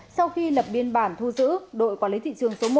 sau khi lập biên bản thu giữ đội quản lý thị trường số một